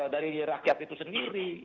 dari rakyat itu sendiri